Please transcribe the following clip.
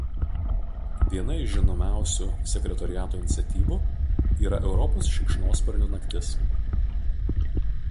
Viena iš žinomiausių sekretoriato iniciatyvų yra Europos šikšnosparnių naktis.